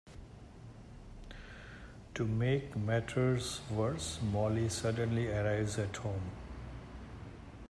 To make matters worse, Molly suddenly arrives at home.